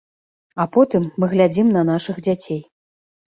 А потым мы глядзім на нашых дзяцей.